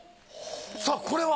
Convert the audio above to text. さあこれは？